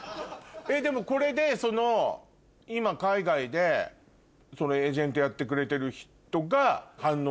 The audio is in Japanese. でもこれで今海外でエージェントやってくれてる人が。